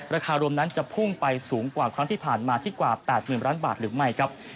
ราคารวมนั้นจะพุ่งไปสูงกว่าครั้งที่ผ่านมาที่กว่า๘๐๐๐ล้านบาทหรือไม่ครับ